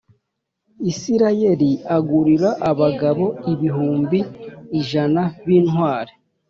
Isirayeli agurira abagabo ibihumbi ijana b intwari